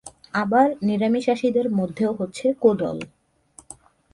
আবার নিরামিষাশীদের মধ্যেও হচ্ছে কোঁদল।